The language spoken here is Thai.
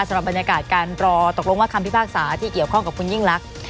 สำหรับบรรยากาศการรอตกลงว่าคำพิพากษาที่เกี่ยวข้องกับคุณยิ่งรัก